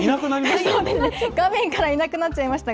画面から、いなくなっちゃいましたが。